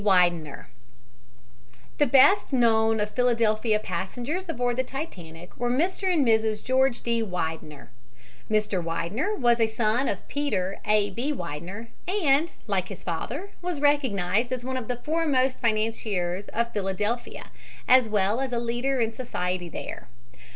WIDENER The best known of Philadelphia passengers aboard the Titanic were Mr. and Mrs. George D. Widener. Mr. Widener was a son of Peter A. B. Widener and, like his father, was recognized as one of the foremost financiers of Philadelphia as well as a leader in society there.